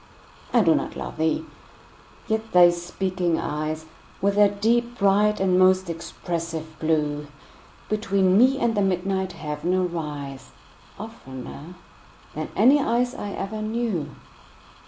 I do not love thee!—yet thy speaking eyes, With their deep, bright, and most expressive blue, Between me and the midnight heaven arise, 15 Oftener than any eyes I ever knew.